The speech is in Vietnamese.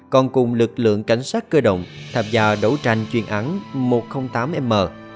còn cùng lực lượng cảnh sát cơ động tham gia đấu tranh chuyên án một trăm linh tám m